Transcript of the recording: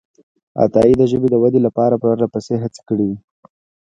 عطایي د ژبې د ودې لپاره پرلهپسې هڅې کړې دي.